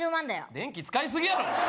電気使いすぎやろ！